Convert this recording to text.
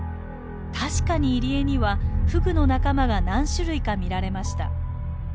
確かに入り江にはフグの仲間が何種類か見られました。